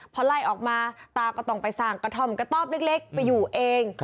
พอไล่ออกมาตาก็ต้องไปสร้างกระท่อมกระต๊อบเล็กไปอยู่เอง